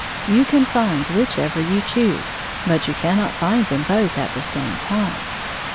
You can find whichever you choose, but you cannot find them both at the same time.